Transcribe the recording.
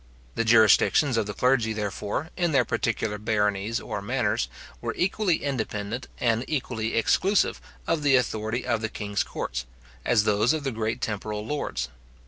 The jurisdictions of the clergy, therefore, in their particular baronies or manors, were equally independent, and equally exclusive of the authority of the king's courts, as those of the great temporal lords.